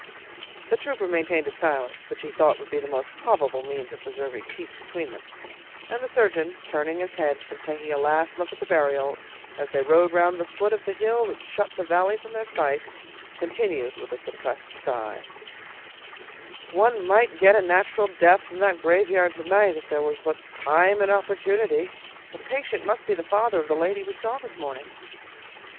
The trooper maintained a silence, which he thought would be the most probable means of preserving peace between them; and the surgeon, turning his head from taking a last look at the burial, as they rode around the foot of the hill that shut the valley from their sight, continued with a suppressed sigh,— "One might get a natural death from that graveyard to night, if there was but time and opportunity! The patient must be the father of the lady we saw this morning."